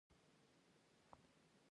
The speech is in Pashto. ایا ستاسو منطق د منلو نه دی؟